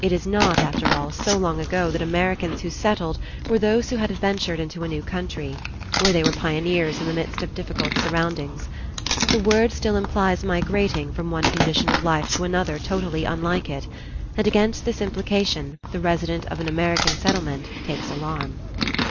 It is not, after all, so long ago that Americans who settled were those who had adventured into a new country, where they were pioneers in the midst of difficult surroundings. The word still implies migrating from one condition of life to another totally unlike it, and against this implication the resident of an American settlement takes alarm.